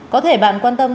có thể bạn quan tâm